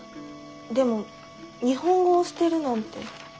でも日本語を捨てるなんて。